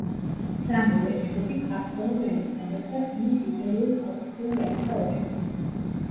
სამივე ეს ჯგუფი ქართველურ ენებთან ერთად ქმნის იბერიულ-კავკასიურ ენათა ოჯახს.